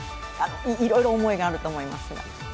いろいろ思いがあると思います。